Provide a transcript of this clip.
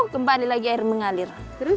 kembali lagi air mengalir